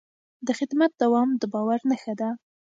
د خدمت دوام د باور نښه ده.